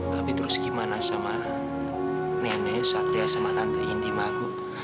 tapi terus gimana sama nenek satria sama tante indima agung